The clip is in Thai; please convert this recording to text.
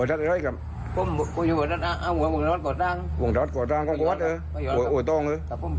อ่าเดี๋ยวขึ้นทำไมรึ